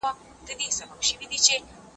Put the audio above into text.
موږ په ازل کاږه پیدا یو نو بیا نه سمیږو